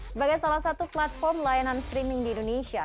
sebagai salah satu platform layanan streaming di indonesia